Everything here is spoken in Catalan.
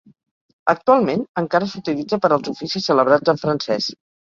Actualment, encara s'utilitza per als oficis celebrats en francès.